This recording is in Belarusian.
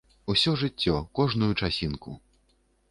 Усё жыццё, кожную часінку.